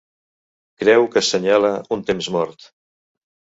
Creu que assenyala un temps mort.